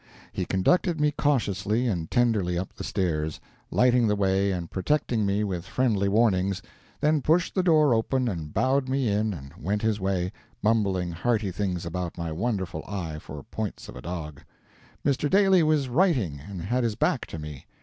He conducted me cautiously and tenderly up the stairs, lighting the way and protecting me with friendly warnings, then pushed the door open and bowed me in and went his way, mumbling hearty things about my wonderful eye for points of a dog. Mr. Daly was writing and had his back to me.